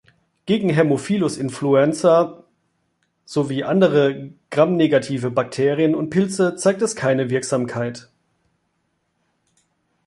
Gegen "Haemophilus influenzae" sowie andere gramnegative Bakterien und Pilze zeigt es keine Wirksamkeit.